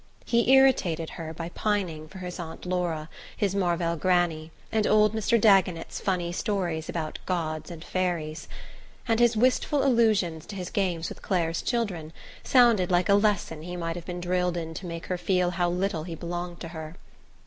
He irritated her by pining for his Aunt Laura, his Marvell granny, and old Mr. Dagonet's funny stories about gods and fairies; and his wistful allusions to his games with Clare's children sounded like a lesson he might have been drilled in to make her feel how little he belonged to her.